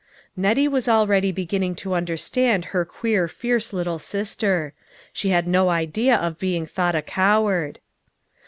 Nettie was already beginning to understand her queer fierce little sister. She had no idea of being thought a coward.